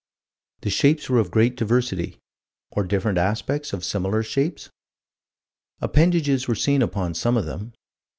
The shapes were of great diversity or different aspects of similar shapes? Appendages were seen upon some of them.